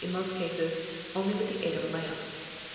4 i | eases, only, with the aid of a lamp.